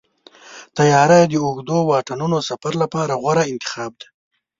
طیاره د اوږدو واټنونو سفر لپاره غوره انتخاب دی.